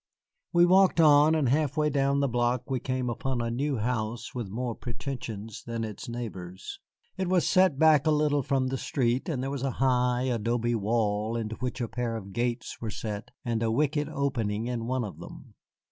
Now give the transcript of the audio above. We walked on, and halfway down the block we came upon a new house with more pretensions than its neighbors. It was set back a little from the street, and there was a high adobe wall into which a pair of gates were set, and a wicket opening in one of them.